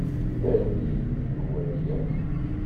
Aru-yi-d tikwal, yak?